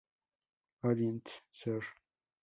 Orient., ser.